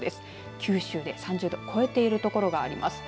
九州で３０度を超えている所があります。